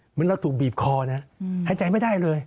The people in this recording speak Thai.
เหมือนเราถูกบีบคอนะหายใจไม่ได้เลย